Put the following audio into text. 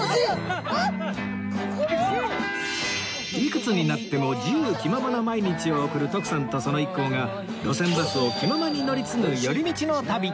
いくつになっても自由気ままな毎日を送る徳さんとその一行が路線バスを気ままに乗り継ぐ寄り道の旅